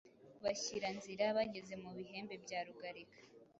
Bashyira nzira. Bageze mu Bihembe bya Rugalika,